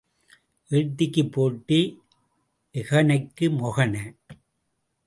ஏட்டிக்குப் போட்டி, எகனைக்கு மொகனை.